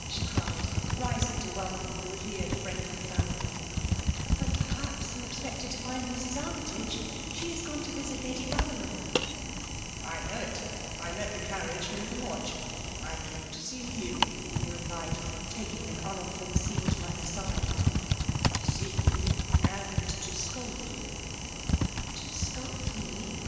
she cried^ rising to welcome the revered friend of the family. ''But perhaps you expected 230 FEMALE DOMINATIOll. to find Mrs. Armytage ? She is gone to Tisit Lady Botherham.*' *' I knotv it. I met the carriage near the lodge. I came to see you,'' he replied, takiag* an unofiered seat by her side ;—^' to see ycm, and to scold you. '' To scold me